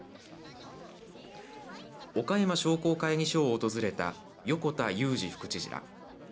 岡山商工会議所を訪れた横田有次副知事ら。